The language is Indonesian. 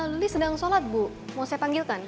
luli sedang sholat bu mau saya panggil kan